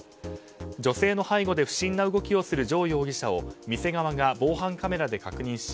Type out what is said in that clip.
女性の背後で不審な動きをする城容疑者を店側が防犯カメラで確認し